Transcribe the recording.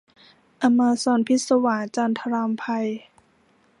อะมาซ็อนพิศวาส - จันทรำไพ